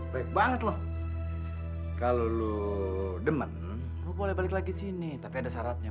baik banget loh kalau lu demen boleh balik lagi sini tapi ada syaratnya